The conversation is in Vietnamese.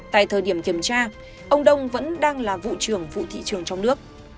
tại thời điểm kiểm tra ông đông vẫn đang là vụ trưởng vụ thị trường trong nước